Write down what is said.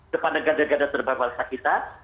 depan negara negara terdepan bangsa kita